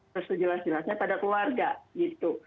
terus terjelas jelasnya pada keluarga gitu